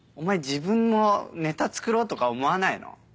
自分もネタ作ろうとか思わないの？